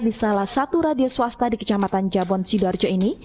di salah satu radio swasta di kecamatan jabon sidoarjo ini